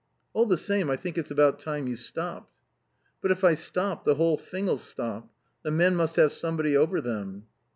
"All the same, I think it's about time you stopped." "But if I stop the whole thing'll stop. The men must have somebody over them."